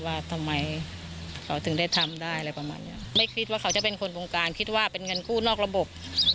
ว่าทำไมเขาถึงได้ทำได้อะไรประมาณเนี้ยไม่คิดว่าเขาจะเป็นคนวงการคิดว่าเป็นเงินกู้นอกระบบ